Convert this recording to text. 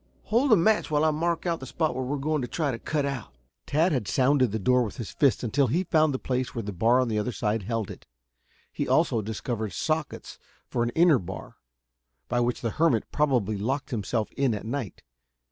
Hold a match while I mark out the spot we're going to try to cut out." Tad had sounded the door with his fist until he found the place where the bar on the other side held it. He also discovered sockets for an inner bar, by which the hermit probably locked himself in at night.